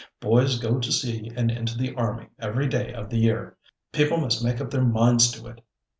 Boys go to sea and into the army every day of the year. People must make up their minds to it.